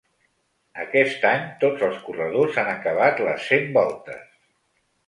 Aquest any, tots els corredors han acabat les cent voltes.